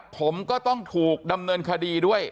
ผมก็ต้องถูกดำเนินคดีด้วย